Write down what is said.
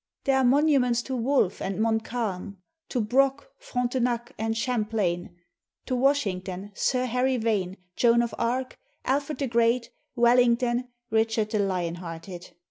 There are monu ments to Wolfe and Montcalm, to Brock, Frontenac, and Champlain, to Washington, Sir Harry Vane, Joan of Arc, Alfred the Great, Wellington, Richard the Lion hearted.